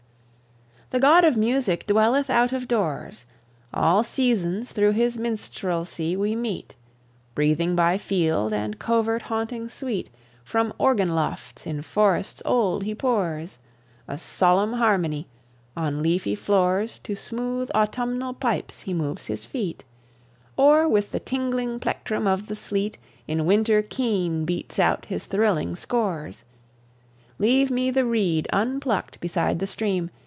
The God of Music dwelleth out of doors. All seasons through his minstrelsy we meet, Breathing by field and covert haunting sweet From organ lofts in forests old he pours: A solemn harmony: on leafy floors To smooth autumnal pipes he moves his feet, Or with the tingling plectrum of the sleet In winter keen beats out his thrilling scores. Leave me the reed unplucked beside the stream.